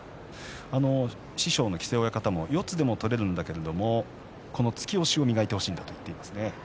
師匠の木瀬親方も四つでも取れるんだけれど突き押しを磨いてほしいと言っています。